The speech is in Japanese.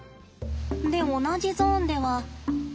で同じゾーンでは。